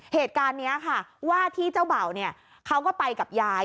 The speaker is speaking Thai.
เหตุการณ์นี้ค่ะว่าที่เจ้าเบ่าเนี่ยเขาก็ไปกับยาย